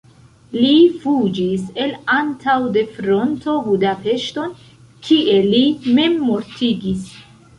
Li fuĝis el antaŭ de fronto Budapeŝton, kie li memmortigis.